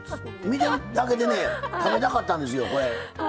見てるだけで食べたかったんですよ。